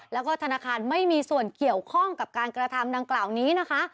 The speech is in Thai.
แล้วก็ธนาคารไม่มีส่วนเกี่ยวข้องกับการกระทำดังกล่าวนี้นะคะ